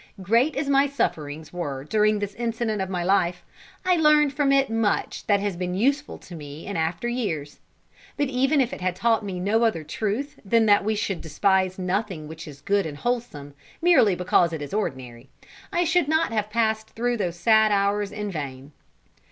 Great as my sufferings were during this incident of my life, I learnt from it much that has been useful to me in after years. But even if it had taught me no other truth than that we should despise nothing which is good and wholesome, merely because it is ordinary, I should not have passed through those sad hours in vain.